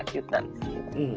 うん。